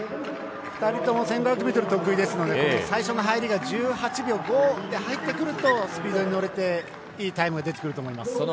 ２人とも１５００ｍが得意なので最初の入りが１８秒５で入ってくるとスピードに乗れて、いいタイムが出てくると思います。